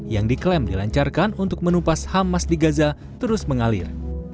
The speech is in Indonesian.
yang diklaim dilancarkan untuk menumpas hamas di gaza terus mengalir